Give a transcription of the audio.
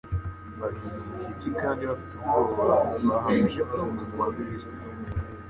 Bahinda umushyitsi kandi bafite ubwoba, bahamije kuzuka kwa Kristo.